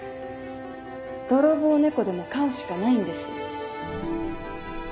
泥棒猫でも飼うしかないんです。